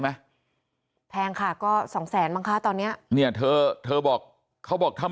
ไหมแพงค่ะก็สองแสนมั้งคะตอนเนี้ยเนี้ยเธอเธอบอกเขาบอกถ้า